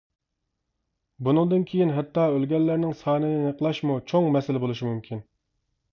بۇنىڭدىن كېيىن ھەتتا ئۆلگەنلەرنىڭ سانىنى ئېنىقلاشمۇ چوڭ مەسىلە بولۇشى مۇمكىن.